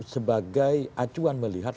sebagai acuan melihat